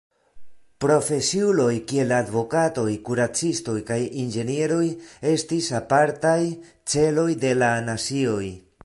Profesiuloj kiel advokatoj, kuracistoj kaj inĝenieroj estis apartaj celoj de la nazioj.